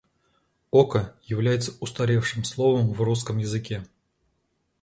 Око является устаревшим словом в русском языке.